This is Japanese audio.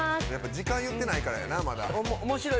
時間言うてないからなまだ。